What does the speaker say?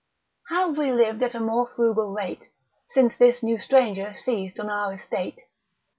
———have we liv'd at a more frugal rate, Since this new stranger seiz'd on our estate?